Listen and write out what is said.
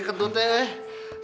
sampai jumpa lagi